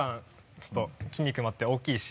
ちょっと筋肉もあって大きいし。